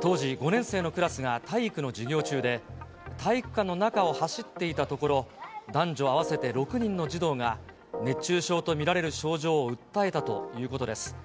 当時、５年生のクラスが体育の授業中で、体育館の中を走っていたところ、男女合わせて６人の児童が熱中症と見られる症状を訴えたということです。